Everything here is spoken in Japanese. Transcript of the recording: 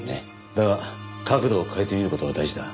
だが角度を変えて見る事は大事だ。